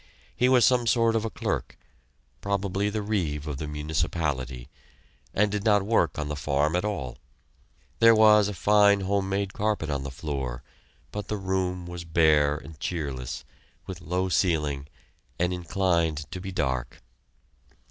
He was some sort of a clerk, probably the reeve of the municipality, and did not work on the farm at all. There was a fine home made carpet on the floor, but the room was bare and cheerless, with low ceiling, and inclined to be dark.